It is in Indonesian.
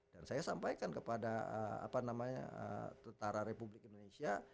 dan saya sampaikan kepada tentara republik indonesia